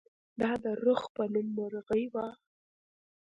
دا د رخ په نوم مرغۍ وه.